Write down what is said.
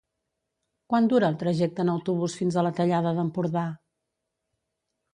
Quant dura el trajecte en autobús fins a la Tallada d'Empordà?